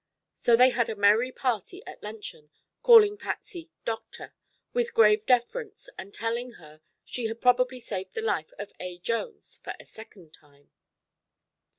So they had a merry party at luncheon, calling Patsy "Doctor" with grave deference and telling her she had probably saved the life of A. Jones for a second time.